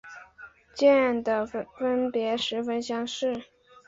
间的分别十分相似。